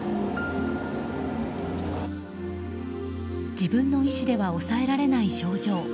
自分の意志では抑えられない症状。